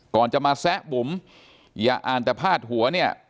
ก่อนจะมาแซะบุ๋มอย่าอ่านแต่พาดหัวเนี่ย